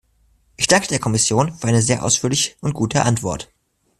Ich danke der Kommission für eine sehr ausführliche und gute Antwort.